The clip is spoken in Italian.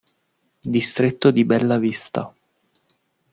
Distretto di Bellavista